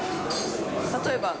例えば？